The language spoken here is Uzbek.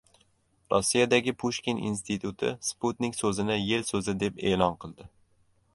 Rossiyadagi Pushkin instituti "sputnik" so‘zini "yil so‘zi" deb e’lon qildi